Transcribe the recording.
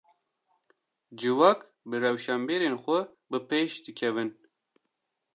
Civak, bi rewşenbîrên xwe bipêş dikevin